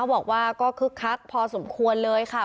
บอกว่าก็คึกคักพอสมควรเลยค่ะ